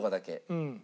うん。